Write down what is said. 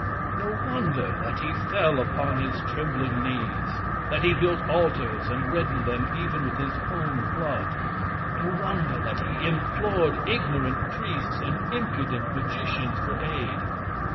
No wonder that he fell upon his trembling knees that he built altars and reddened them even with his own blood. No wonder that he implored ignorant priests and impudent magicians for aid.